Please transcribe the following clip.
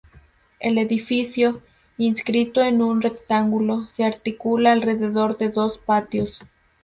El edificio, inscrito en un rectángulo, se articula alrededor de dos patios.